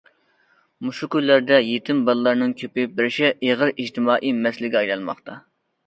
مۇشۇ كۈنلەردە يېتىم بالىلارنىڭ كۆپىيىپ بېرىشى ئېغىر ئىجتىمائىي مەسىلىگە ئايلانماقتا.